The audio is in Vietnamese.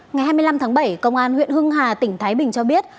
ngày hai mươi năm tháng bảy công an huyện hưng hà tỉnh thái bình cho biết